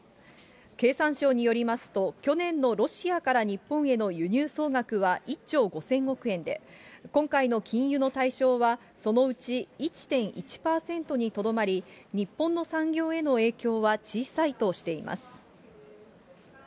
経産省によりますと、去年のロシアから日本への輸入総額は１兆５０００億円で、今回の禁輸の対象は、そのうち１．１％にとどまり、日本の産業への影響は小さいとしています。